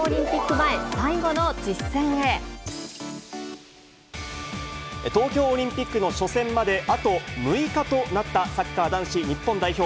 前最後の実東京オリンピックの初戦まであと６日となった、サッカー男子日本代表。